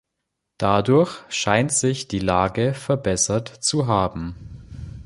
Dadurch scheint sich die Lage verbessert zu haben.